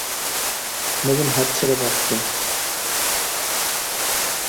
নবীন হাঁফ ছেড়ে বাঁচল।